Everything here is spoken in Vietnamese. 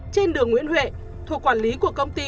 trên đường nguyễn huệ thuộc quản lý của công ty